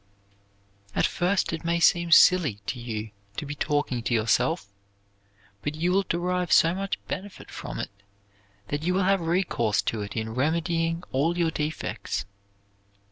At first it may seem silly to you to be talking to yourself, but you will derive so much benefit from it that you will have recourse to it in remedying all your defects.